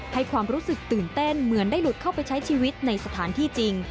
ให้ความรู้สึกตื่นเต้นเหมือนได้หลุดเข้าไปใช้ชีวิตในสถานที่จริง